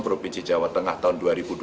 provinsi jawa tengah tahun dua ribu dua puluh